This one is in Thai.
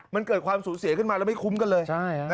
มันเกิดความสูญเสียขึ้นมาแล้วไม่คุ้มกันเลย